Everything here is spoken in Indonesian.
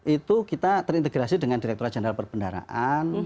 itu kita terintegrasi dengan direktur general perbendaraan